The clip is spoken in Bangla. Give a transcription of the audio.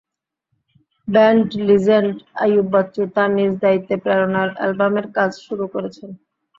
ব্যান্ড লিজেন্ড আইয়ুব বাচ্চু তাঁর নিজ দায়িত্বে প্রেরণার অ্যালবামের কাজ শুরু করেছেন।